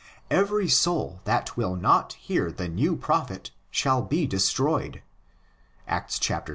Every soul that will not hear the new prophet shall be destroyed (Acts 111.